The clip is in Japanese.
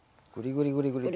ぐりぐりぐり。